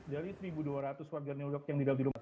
dari satu dua ratus warga yang didalami di rumah